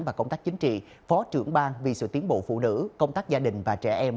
và công tác chính trị phó trưởng bang vì sự tiến bộ phụ nữ công tác gia đình và trẻ em